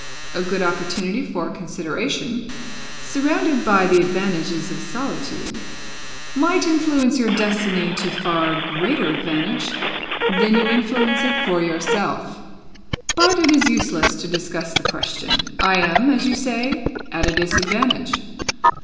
A good opportunity for consideration, surrounded by the advantages of solitude, might influence your destiny to far greater advantage than you influence it for yourself. But it is useless to discuss the question. I am, as you say, at a disadvantage.